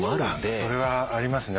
それはありますね。